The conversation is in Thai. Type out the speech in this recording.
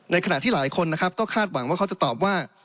ขณะที่หลายคนนะครับก็คาดหวังว่าเขาจะตอบว่า